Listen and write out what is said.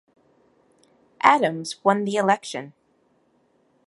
Adams won the election.